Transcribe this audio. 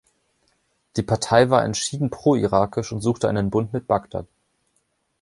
Die Partei war entschieden pro-irakisch und suchte einen Bund mit Bagdad.